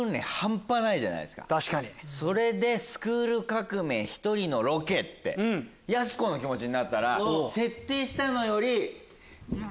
それで『スクール革命！』１人のロケってやす子の気持ちになったら。